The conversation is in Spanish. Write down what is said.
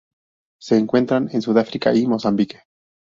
Se encuentran en Sudáfrica y Mozambique.